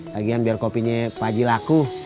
lagian biar kopinya pak ji laku